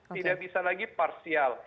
tidak bisa lagi parsial